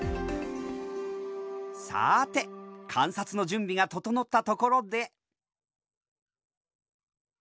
さて観察の準備が整ったところで。